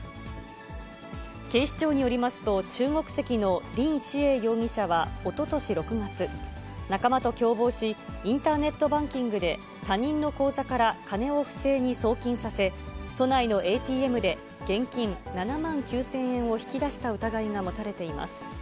警視庁によりますと、中国籍の林志偉容疑者はおととし６月、仲間と共謀し、インターネットバンキングで他人の口座から金を不正に送金させ、都内のＡＴＭで現金７万９０００円を引き出した疑いが持たれています。